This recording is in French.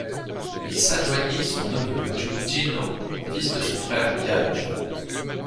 Il s'adjoignit son neveu Giuntino, fils de son frère Biagio.